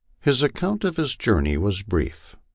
His account of his journey was brief.